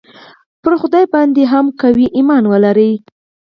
پر خدای باندې هم پیاوړی ایمان ولرئ